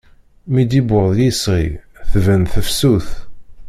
Mi d-iwweḍ yisɣi, tban tefsut.